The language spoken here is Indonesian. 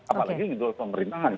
apalagi di luar pemerintahan